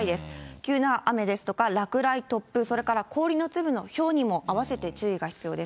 急な雨ですとか、落雷、突風、それから氷の粒のひょうにもあわせて注意が必要です。